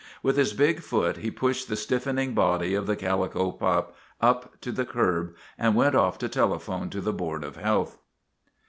With his big foot he pushed the stiffening body of the calico pup up to the curb, and went off to telephone to the Board of Health.